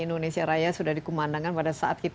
indonesia raya sudah dikemandangkan pada saat